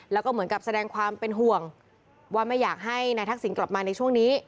แล้วก็เหมือนกับแสดงความเป็นห่วงว่าไม่อยากให้นายทักษิณกลับมาในช่วงนี้